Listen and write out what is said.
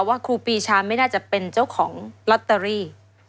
ครูปีชาไม่น่าจะเป็นเจ้าของลอตเตอรี่